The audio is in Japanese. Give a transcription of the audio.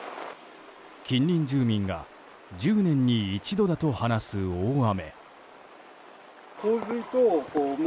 近隣住民が、１０年に一度だと話す大雨。